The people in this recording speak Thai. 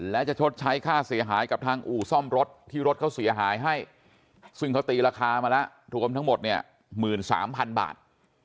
และจะชดใช้ค่าเสียหายกับทางอู่ซ่อมรถที่รถเขาเสียหายให้ซึ่งเขาตีราคามาแล้วรวมทั้งหมดเนี่ย๑๓๐๐๐บาท